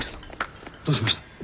どうしました？